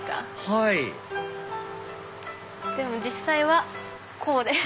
はいでも実際はこうです。